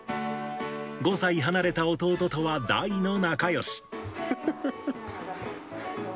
５歳離れた弟とは大の仲よし。